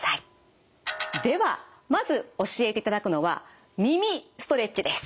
ではまず教えていただくのは耳ストレッチです。